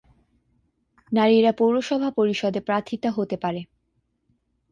নারীরা পৌরসভা পরিষদে প্রার্থিতা হতে পারে।